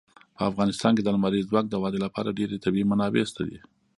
په افغانستان کې د لمریز ځواک د ودې لپاره ډېرې طبیعي منابع شته دي.